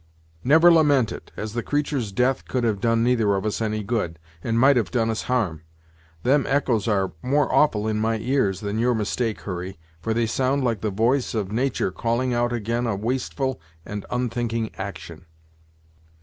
"Never lament it, as the creatur's death could have done neither of us any good, and might have done us harm. Them echoes are more awful in my ears, than your mistake, Hurry, for they sound like the voice of natur' calling out ag'in a wasteful and onthinking action."